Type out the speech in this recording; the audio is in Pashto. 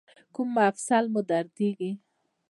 کوم مفصل مو دردیږي؟